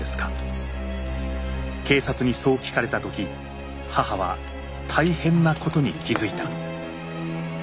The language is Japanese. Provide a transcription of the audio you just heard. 警察にそう聞かれた時母は大変なことに気づいた。